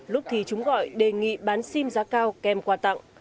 lúc thì chúng gọi đề nghị bán sim giá cao kèm quà tặng